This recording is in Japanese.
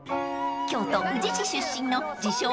［京都宇治市出身の自称